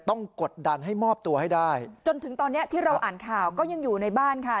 กดดันให้มอบตัวให้ได้จนถึงตอนเนี้ยที่เราอ่านข่าวก็ยังอยู่ในบ้านค่ะ